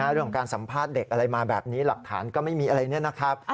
เรื่องของการสัมภาษณ์เด็กอะไรมาแบบนี้หลักฐานก็ไม่มีอะไรเนี่ยนะครับ